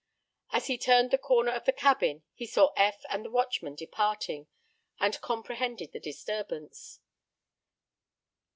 As he turned the corner of the cabin he saw Eph and the watchman departing, and comprehended the disturbance.